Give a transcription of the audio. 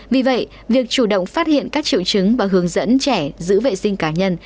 vì vậy việc chủ động phát hiện các triệu chứng và hướng dẫn trẻ giữ vệ sinh cá nhân